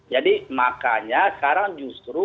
jadi makanya sekarang justru